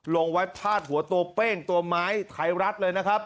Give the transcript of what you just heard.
ลงไว้พาดหัวตัวเป้งตัวไม้ไทยรัฐเลยนะครับ